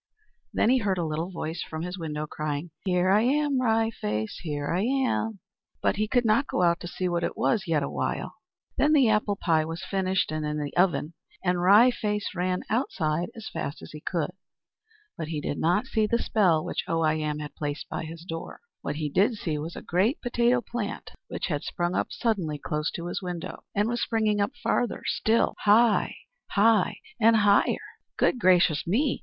Then he heard a little voice from his window, crying, "Here I am, Wry Face, here I am!" But he could not go out to see what it was yet awhile. Then the apple pie was finished, and in the oven; and Wry Face ran outside as fast as he could. But he did not see the spell which Oh I Am had placed by his door. What he did see was a great potato plant which had sprung up suddenly close to his window, and was springing up farther still, high, high, and higher. "Good gracious me!"